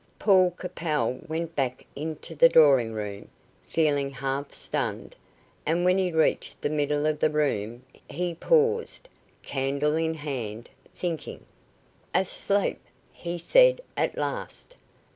Paul Capel went back into the drawing room, feeling half stunned, and when he reached the middle of the room he paused, candle in hand, thinking. "Asleep!" he said at last.